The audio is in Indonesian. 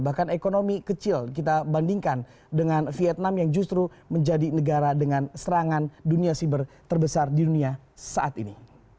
bahkan ekonomi kecil kita bandingkan dengan vietnam yang justru menjadi negara dengan serangan dunia siber terbesar di dunia saat ini